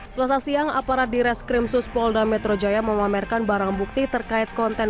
selesai siang aparat direskrim suspolda metro jaya memamerkan barang bukti terkait konten